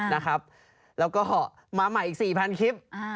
แล้วก็มาใหม่อีก๔๐๐คลิป